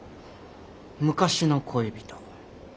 昔の恋人。